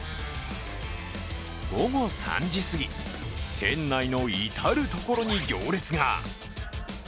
午後３時すぎ、店内の至る所に行列が。